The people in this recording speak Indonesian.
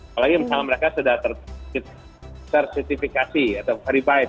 apalagi misalnya mereka sudah ter certificasi atau verified